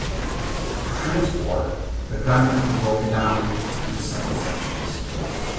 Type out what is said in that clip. For transport, the gun could be broken down into seven sections.